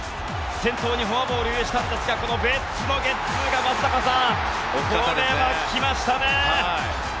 先頭にフォアボールを許したんですがこのベッツのゲッツーが松坂さん、これは来ましたね。